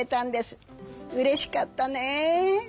うれしかったね！